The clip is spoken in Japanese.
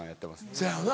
そやよな。